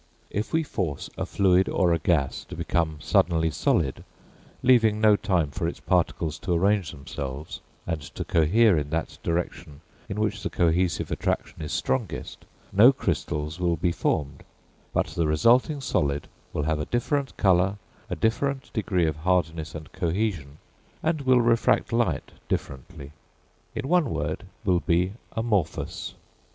If we force a fluid or a gas to become suddenly solid, leaving no time for its particles to arrange themselves, and cohere in that direction in which the cohesive attraction is strongest, no crystals will be formed, but the resulting solid will have a different colour, a different degree of hardness and cohesion, and will refract light differently; in one word, will be amorphous.